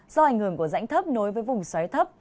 do ảnh hưởng của rãnh thấp nối với vùng xoáy thấp